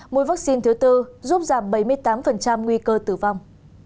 mua vaccine thứ tư giúp giảm bảy mươi tám nguy cơ tử vong